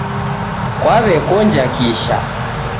Kwaw'ekonja kisha